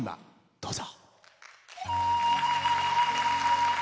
どうぞ。